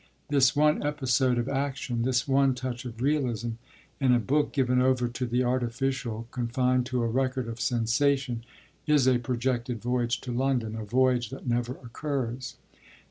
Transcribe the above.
This one episode of action, this one touch of realism, in a book given over to the artificial, confined to a record of sensation, is a projected voyage to London, a voyage that never occurs.